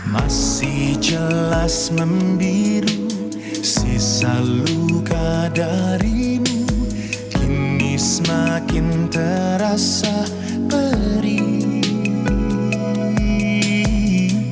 masih jelas membiru sisa luka darimu kini semakin terasa perih